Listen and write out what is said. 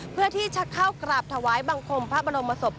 เพื่อที่จะเข้ากราบถวายบังคมพระบรมศพ